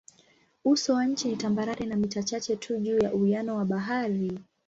Uso wa nchi ni tambarare na mita chache tu juu ya uwiano wa bahari.